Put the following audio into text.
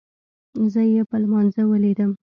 زه يې په لمانځه وليدم.